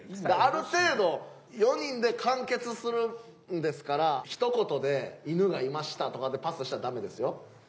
ある程度４人で完結するんですからひと言で「犬がいました」とかでパスしたらダメですよ。